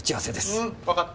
うんわかった。